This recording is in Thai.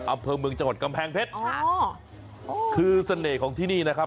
อำเภอเมืองจังหวัดกำแพงเพชรอ๋อคือเสน่ห์ของที่นี่นะครับ